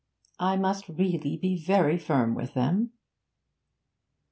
'I must really be very firm with them.'